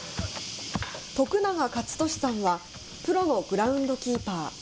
徳永勝利さんはプロのグラウンドキーパー。